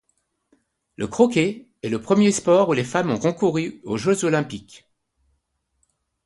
Le croquet est le premier sport où les femmes ont concouru aux Jeux olympiques.